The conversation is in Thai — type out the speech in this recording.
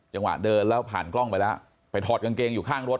จังหวะเดินแล้วผ่านกล้องไปแล้วไปถอดกางเกงอยู่ข้างรถ